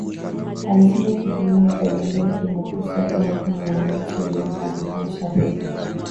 alisema kujiunga kwa jamuhuri ya kidemokrasia ya Kongo kama mwanachama wa jumuia ya afrika mashariki